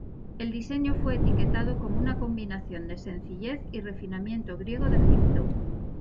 El diseño fue etiquetado como una combinación de sencillez y refinamiento griego de Egipto.